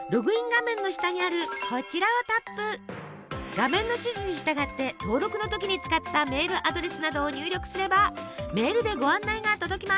画面の指示に従って登録の時に使ったメールアドレスなどを入力すればメールでご案内が届きます。